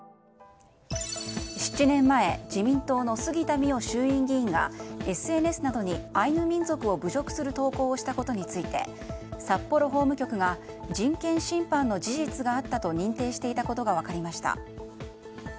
７年前自民党の杉田水脈衆院議員がＳＮＳなどに、アイヌ民族を侮辱する投稿をしたことについて札幌法務局が人権侵犯の事実があったと認定していたことが分かりました。